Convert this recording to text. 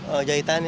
oh jahitan ya